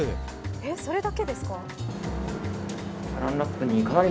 それだけですか。